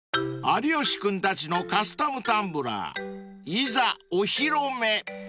［有吉君たちのカスタムタンブラーいざお披露目］